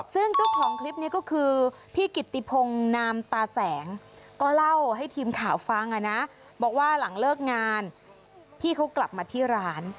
ซึ่งเจ้าของคลิปนี้ก็คือพี่กิตติพงนามตาแสงก็เล่าให้ทีมข่าวฟังนะบอกว่าหลังเลิกงานพี่เขากลับมาที่ร้าน